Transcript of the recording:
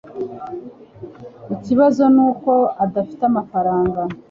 Ikibazo nuko adafite amafaranga